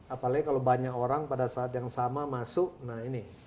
apalagi kalau banyak orang pada saat yang sama masuk nah ini